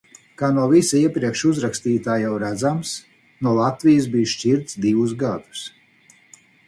Kā no visa iepriekš uzrakstītā jau redzams, no Latvijas biju šķirts divus gadus.